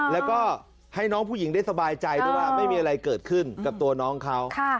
แล้วก็ให้น้องผู้หญิงได้สบายใจด้วยว่าไม่มีอะไรเกิดขึ้นกับตัวน้องเขา